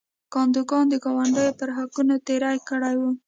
کادوګان د ګاونډیو پر حقونو تېری کړی و.